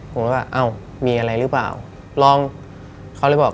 ใช่ครับนิบ